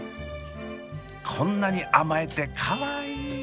こんなに甘えてかわいい！